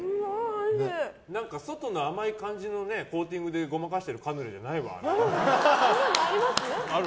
外の甘い感じのコーティングでごまかしてるカヌレじゃないわ。